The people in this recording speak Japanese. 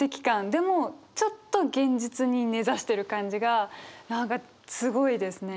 でもちょっと現実に根ざしてる感じが何かすごいですね。